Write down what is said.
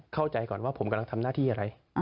เข้าใจก่อนว่าผมกำลังทำหน้าที่อะไร